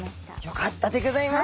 よかったでギョざいます。